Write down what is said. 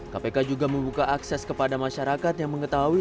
kpk juga membuka akses kepada masyarakat yang mengetahui